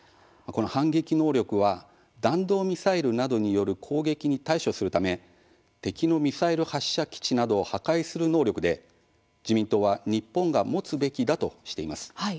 この反撃能力は弾道ミサイルなどによる攻撃に対処するため敵のミサイル発射基地などを破壊する能力で自民党は日本が持つべきだとしています。